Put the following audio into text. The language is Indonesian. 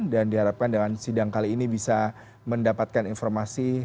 dan diharapkan dengan sidang kali ini bisa mendapatkan informasi